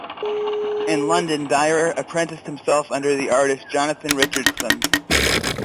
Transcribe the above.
In London, Dyer apprenticed himself under the artist Jonathan Richardson.